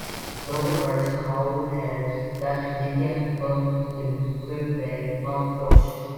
Local tradition, however, held that he became a hermit in Kirkdale, North Yorkshire.